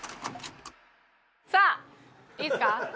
さあいいですか？